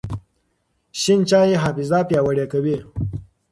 شین چای حافظه پیاوړې کوي.